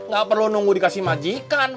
gak perlu nunggu dikasih majikan